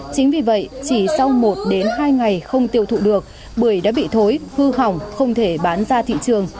chính vì vậy chỉ sau một đến hai ngày không tiêu thụ được bưởi đã bị thối hư hỏng không thể bán ra thị trường